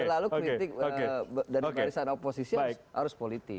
selalu kritik dari barisan oposisi harus politik